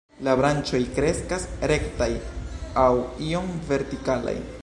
La branĉoj kreskas rektaj aŭ iom vertikalaj.